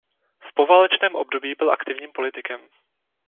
V poválečném období byl aktivním politikem.